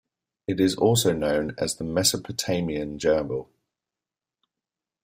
It is also known as the Mesopotamian gerbil.